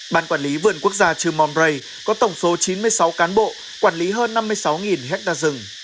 bàn quản lý vườn quốc gia trư mòn bray có tổng số chín mươi sáu cán bộ quản lý hơn năm mươi sáu hectare rừng